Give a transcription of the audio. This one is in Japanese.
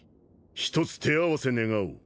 ひとつ手合わせ願おう